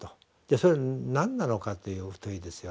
それは何なのかという問いですよ